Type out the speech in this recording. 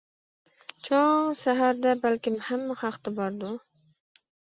چوڭ سەھەردە بەلكىم ھەممە خەقتە باردۇ.